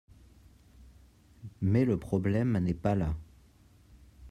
Mais le problème n’est pas là.